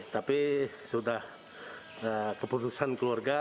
tapi sudah keputusan keluarga